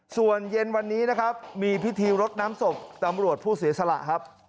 ส่วนเย็นวันนี้นะครับมีพิธีรดน้ำศพตำรวจผู้เสียสละครับ